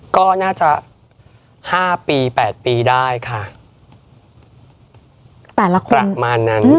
ก็น่าจะ๕๘ปีได้ค่ะประมาณนั้น